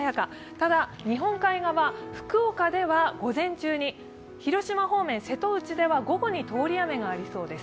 ただ日本海側、福岡では午前中に、広島方面、瀬戸内では午後に通り雨がありそうです。